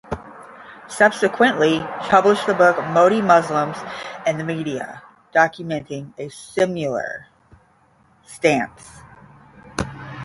Subsequently, she published the book "Modi, Muslims and Media", documenting a similar stance.